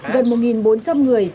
gần một bốn trăm linh người